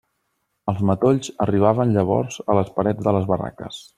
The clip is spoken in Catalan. Els matolls arribaven llavors a les parets de les barraques.